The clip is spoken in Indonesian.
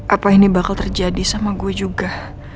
apa ini bakal terjadi sama gue juga